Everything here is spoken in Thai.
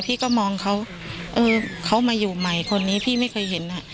พี่ก็มองเขาเออเขามาอยู่ใหม่คนนี้พี่ไม่เคยเห็นอ่ะ